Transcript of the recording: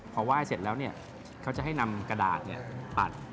พอไหว้เสร็จแล้วเขาจะให้นำกระดาษปัด